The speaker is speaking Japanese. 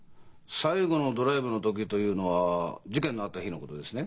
最後のドライブの時というのは事件のあった日のことですね？